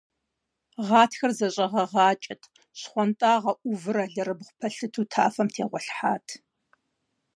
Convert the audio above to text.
Гъатхэр зэщӀэгъэгъакӀэт, щхъуантӀагъэ Ӏувыр алэрыбгъу пэлъытэу тафэм тегъуэлъхьат.